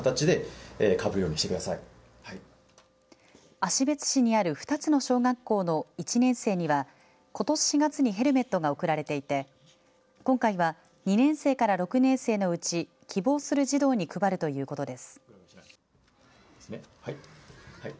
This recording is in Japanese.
芦別市にある２つの小学校の１年生にはことし４月にヘルメットが贈られていて今回は２年生から６年生のうち希望する児童に配るということです。